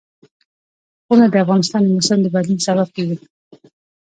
غرونه د افغانستان د موسم د بدلون سبب کېږي.